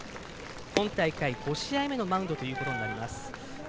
今大会５試合目のマウンドということになります。